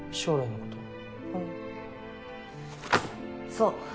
そう。